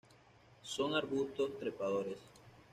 Son arbustos trepadores.